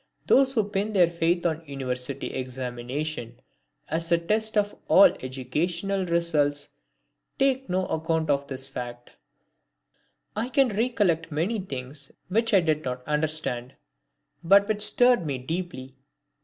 Those who pin their faith on University examinations as a test of all educational results take no account of this fact. I can recollect many things which I did not understand, but which stirred me deeply.